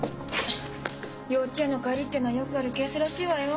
幼稚園の帰りっていうのはよくあるケースらしいわよ。